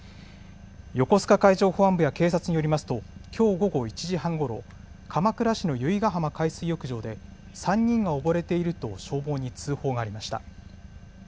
横須賀海上保安部や警察によりますと、きょう午後１時半ごろ鎌倉市の由比ガ浜海水浴場で３人が溺れていると消防に通報がありました。